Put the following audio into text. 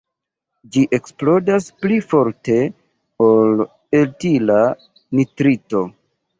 Ĝi eksplodas pli forte ol etila nitrito.